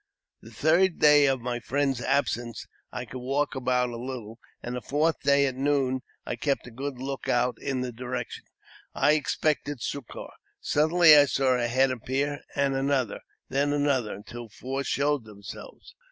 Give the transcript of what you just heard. The third day of my friend's absence I could walk about a little, and the fourth day, at noon, I kept a good look out in the direction I expected succour. Suddenly I saw a head appear,, and another, and then another, until four showed themselves.